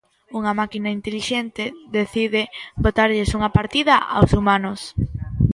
Unha Máquina intelixente decide botarlles unha partida aos humanos.